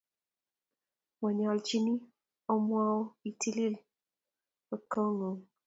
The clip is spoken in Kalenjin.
monyolchon omwoun itilil kotng'ung